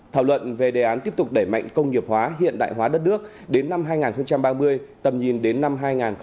thảo luận về đề án tiếp tục đẩy mạnh công nghiệp hóa hiện đại hóa đất nước đến năm hai nghìn ba mươi tầm nhìn đến năm hai nghìn bốn mươi năm